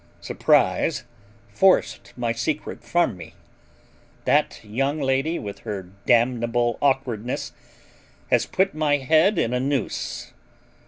Surprise forced my secret from me. That young lady with her damnable awkwardness has put my head in a noose.